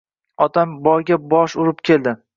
Otam boyga bosh urib kelgandi